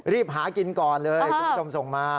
รีบหากินก่อนเลยคุณผู้ชมส่งมา